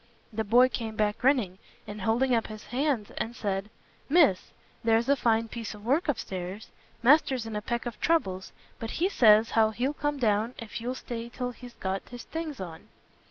The boy came back grinning, and holding up his hands, and said, "Miss, there's a fine piece of work upstairs! Master's in a peck of troubles; but he says how he'll come down, if you'll stay till he's got his things on."